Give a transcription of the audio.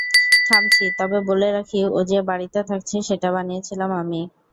থামছি, তবে বলে রাখি ও যে বাড়িতে থাকছে সেটা বানিয়েছিলাম আমি!